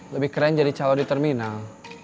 lebih keren jadi calo di terminal